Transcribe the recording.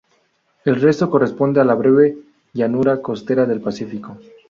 El resto corresponde a la breve llanura costera del Pacífico.